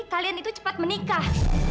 kalian itu cepat menikah